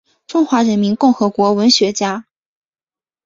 中华人民共和国文学家。